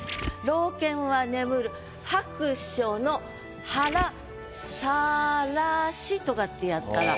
「老犬は眠る薄暑の腹さらし」とかってやったら。